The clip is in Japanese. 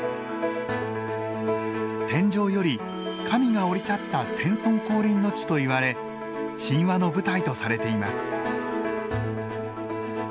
天上より神が降り立った天孫降臨の地といわれ神話の舞台とされています。